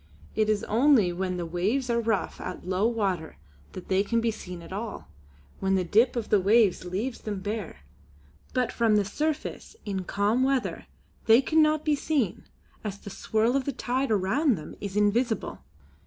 It is only when the waves are rough at low water that they can be seen at all, when the dip of the waves leaves them bare; but from the surface in calm weather they cannot be seen as the swirl of the tide around them is invisible.